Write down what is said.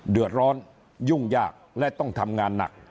เดือดร้อนยุ่งยากและต้องทำงานหนัก